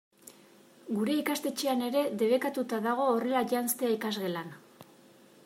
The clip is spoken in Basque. Gure ikastetxean ere debekatuta dago horrela janztea ikasgelan.